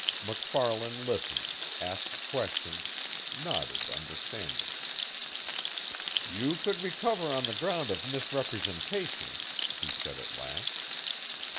MacFarlan listened, asked questions, nodded understanding. "You could recover on the ground of misrepresentation," he said at last.